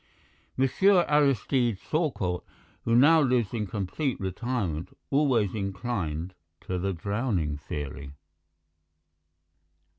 Monsieur Aristide Saucourt, who now lives in complete retirement, always inclined to the drowning theory."